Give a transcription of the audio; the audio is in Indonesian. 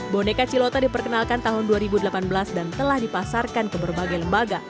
boneka cilota diperkenalkan tahun dua ribu delapan belas dan telah dipasarkan ke berbagai lembaga